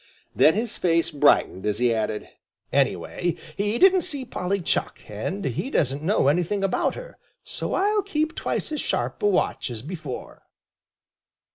Then his face brightened as he added: "Anyway, he didn't see Polly Chuck, and he doesn't know anything about her, so I'll keep twice as sharp a watch as before."